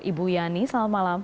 ibu yani selamat malam